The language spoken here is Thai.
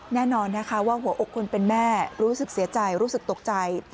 แน่นอนนะคะว่าหัวอกคนเป็นแม่รู้สึกเสียใจรู้สึกตกใจ